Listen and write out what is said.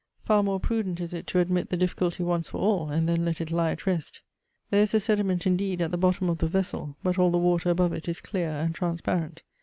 Far more prudent is it to admit the difficulty once for all, and then let it lie at rest. There is a sediment indeed at the bottom of the vessel, but all the water above it is clear and transparent.